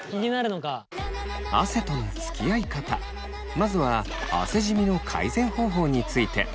まずは汗じみの改善方法について。